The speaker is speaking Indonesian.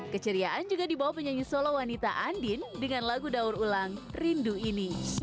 keceriaan juga dibawa penyanyi solo wanita andin dengan lagu daur ulang rindu ini